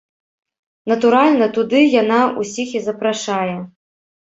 Натуральна, туды яна ўсіх і запрашае.